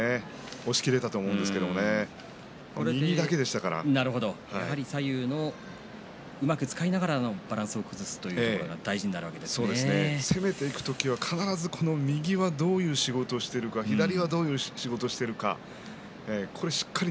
押しきれたと思うんですけれどやはり左右うまく使いながらバランスを崩すというところが攻めていく時は必ず右はどういう仕事をしているか左はどういう仕事をしているかそこをしっかり。